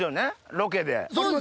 ロケで。